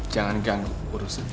jangan ganggu urusan